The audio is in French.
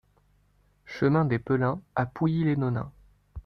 Chemin des Pellins à Pouilly-les-Nonains